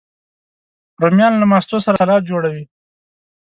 رومیان له ماستو سره سالاد جوړوي